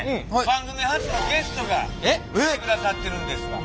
番組初のゲストが来てくださってるんですわ。